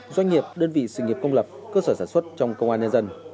doanh nghiệp đơn vị sự nghiệp công lập cơ sở sản xuất trong công an nhân dân